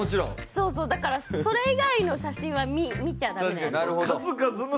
そうそうだからそれ以外の写真は見ちゃダメなやつです。